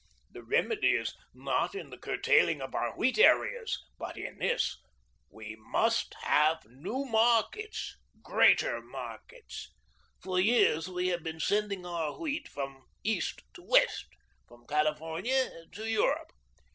The remedy is NOT in the curtailing of our wheat areas, but in this, we MUST HAVE NEW MARKETS, GREATER MARKETS. For years we have been sending our wheat from East to West, from California to Europe.